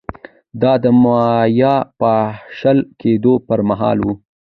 دا د مایا پاشل کېدو پرمهال و